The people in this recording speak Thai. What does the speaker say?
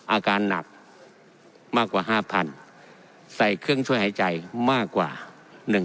อาการหนักมากกว่าห้าพันใส่เครื่องช่วยหายใจมากกว่าหนึ่ง